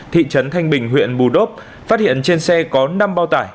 thị trấn thanh bình huyện bù đốp phát hiện trên xe có năm bao tải